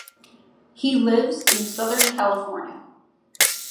He lives in southern California.